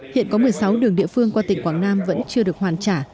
hiện có một mươi sáu đường địa phương qua tỉnh quảng nam vẫn chưa được hoàn trả